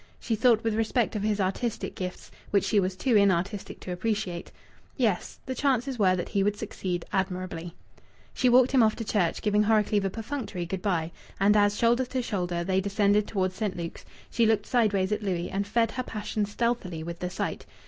She thought with respect of his artistic gifts, which she was too inartistic to appreciate. Yes, the chances were that he would succeed admirably. She walked him off to church, giving Horrocleave a perfunctory good bye. And as, shoulder to shoulder, they descended towards St. Luke's, she looked sideways at Louis and fed her passion stealthily with the sight.